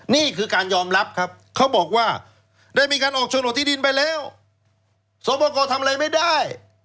นี่คือการยอมรับครับเขาบอกว่าได้มีการออกโฉนดที่ดินไปแล้วสวปกรทำอะไรไม่ได้